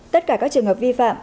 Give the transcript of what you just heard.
tất cả các trường hợp vi phạm